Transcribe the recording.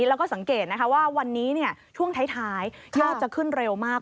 แล้วก็สังเกตนะคะว่าวันนี้ช่วงท้ายยอดจะขึ้นเร็วมาก